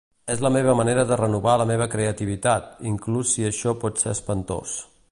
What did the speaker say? És la meva manera de renovar la meva creativitat, inclús si això pot ser espantós.